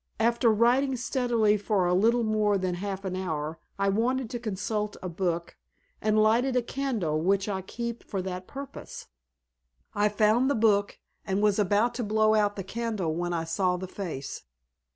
After writing steadily for a little more than half an hour, I wanted to consult a book, and lighted a candle which I keep for that purpose. I found the book, and was about to blow out the candle when I saw the face."